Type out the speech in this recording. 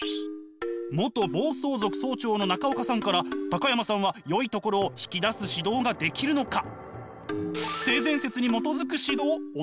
元暴走族総長の中岡さんから高山さんはよいところを引き出す指導ができるのか？